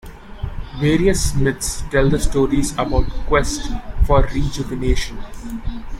Various myths tell the stories about the quest for rejuvenation.